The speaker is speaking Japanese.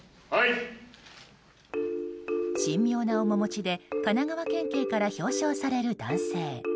神妙な面持ちで神奈川県警から表彰される男性。